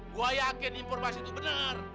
gue yakin informasi itu benar